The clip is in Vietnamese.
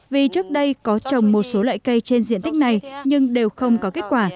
vì trước đây có trồng một số loại cây trên diện tích này nhưng đều không có kết quả